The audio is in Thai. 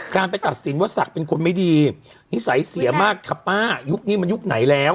การไปตัดสินว่าศักดิ์เป็นคนไม่ดีนิสัยเสียมากค่ะป้ายุคนี้มันยุคไหนแล้ว